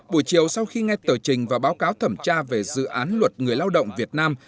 buổi chiều sau khi nghe tờ trình và báo cáo thẩm tra về dự án luật người lao động việt nam